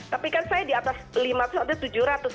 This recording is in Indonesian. tapi kan saya di atas lima ratus atau tujuh ratus